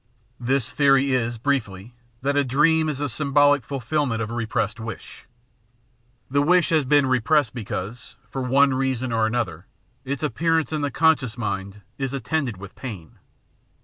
This theory is, briefly, that a dream is the symbolic fulfilment of a repressed wish; the wish has been repressed because, for one reason or an other, its appearance in the conscious mind is attended with pain.